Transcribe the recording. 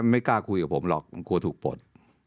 ไม่กล้าคุยกับผมหรอกผมกลัวถูกปลด